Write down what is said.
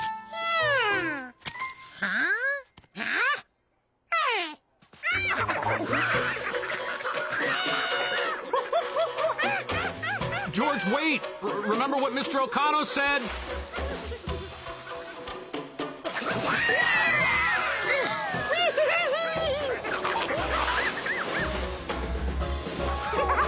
ヘハハハハ！